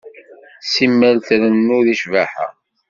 Simmal trennu deg ccbaḥa.